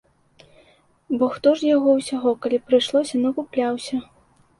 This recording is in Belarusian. Бо хто ж яго ўсяго, калі б прыйшлося, накупляўся.